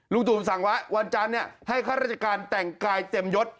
ลุงตุ๋มสั่งวะวันจานเนี่ยให้ข้าราชการแต่งกายเต็มยศ